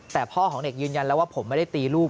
แต่พ่อของเด็กยืนยันแล้วว่าผมไม่ได้ตีลูก